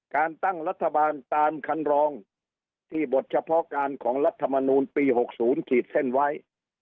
การตั้งรัฐบาลตามคันรองที่บทเฉพาะการของรัฐมนูลปี๖๐ขีดเส้นไว้